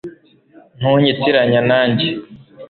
ntunyitiranya nanjye